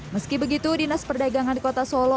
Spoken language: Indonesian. meski begitu dinas perdagangan kota solo